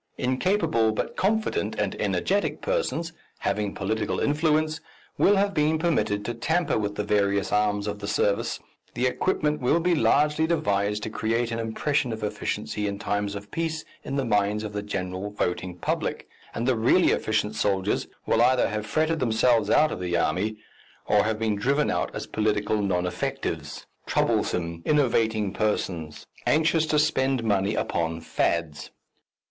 Incapable but confident and energetic persons, having political influence, will have been permitted to tamper with the various arms of the service, the equipment will be largely devised to create an impression of efficiency in times of peace in the minds of the general voting public, and the really efficient soldiers will either have fretted themselves out of the army or have been driven out as political non effectives, troublesome, innovating persons anxious to spend money upon "fads."